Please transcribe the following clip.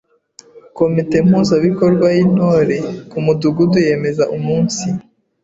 Komite Mpuzabikorwa y’Intore ku Mudugudu yemeza umunsi